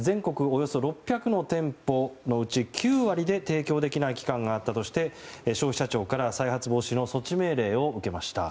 およそ６００の店舗のうち９割で提供できない期間があったとして消費者庁から再発防止の措置命令を受けました。